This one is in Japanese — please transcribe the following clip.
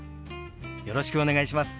よろしくお願いします。